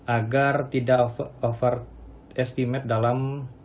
agar tidak overestimate dalam